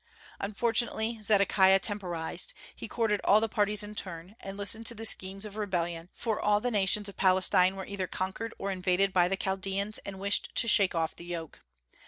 Unfortunately Zedekiah temporized; he courted all parties in turn, and listened to the schemes of rebellion, for all the nations of Palestine were either conquered or invaded by the Chaldeans, and wished to shake off the yoke.